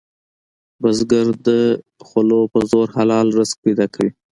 بزګر د خولو په زور حلال رزق پیدا کوي